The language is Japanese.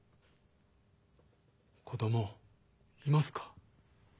子供いますか？